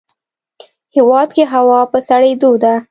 هیواد کې هوا په سړیدو ده